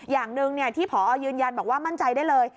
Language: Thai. อย่างหนึ่งที่พอยืนยันบอกว่ามั่นใจได้เลย